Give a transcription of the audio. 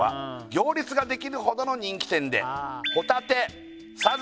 「行列ができるほどの人気店で」